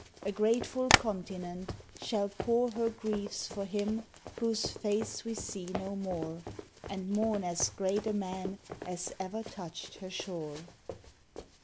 A grateful continent shall pour Her griefs for him whose face we see no more: And mourn as great a man as ever touched her shore.